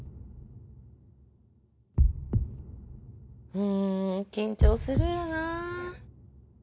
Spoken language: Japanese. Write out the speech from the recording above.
うん緊張するよな。